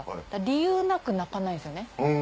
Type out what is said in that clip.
理由なく泣かないですよね